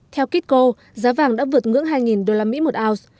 theo kitco giá vàng đã vượt ngưỡng hai usd một ounce